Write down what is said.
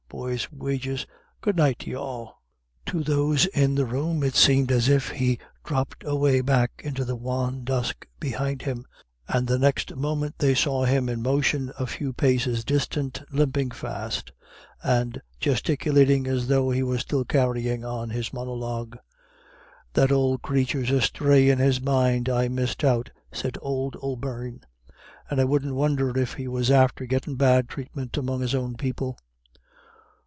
Boys' wages. Good night to you all." To those in the room it seemed as if he dropped away back into the wan dusk behind him, and next moment they saw him in motion a few paces distant, limping fast, and gesticulating as though he were still carrying on his monologue. "That old crathur's asthray in his mind, I misdoubt," said old O'Beirne, "and I wouldn't won'er if he was after gettin' bad thratement among his own people."